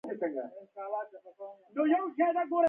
ټولنه د سیاسي بې ثباتۍ لور ته ور ټېل وهي.